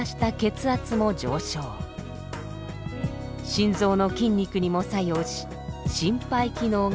心臓の筋肉にも作用し心肺機能が向上。